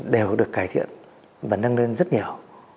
đều được cải thiện và nâng lên rất nhiều